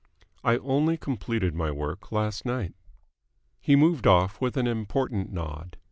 "I only completed my work last night." He moved off with an important nod.